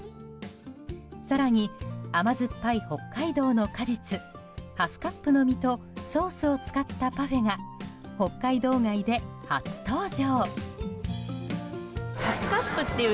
更に、甘酸っぱい北海道の果実ハスカップの実とソースを使ったパフェが北海道外で初登場。